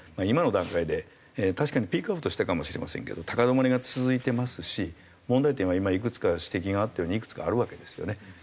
今の段階で確かにピークアウトしたかもしれませんけど高止まりが続いてますし問題点は今いくつか指摘があったようにいくつかあるわけですよね。